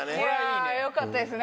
いやよかったですね。